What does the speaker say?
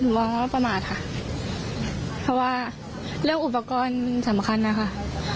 มองว่าประมาทค่ะเพราะว่าเรื่องอุปกรณ์สำคัญนะคะ